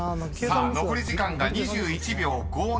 ［さあ残り時間が２１秒５７］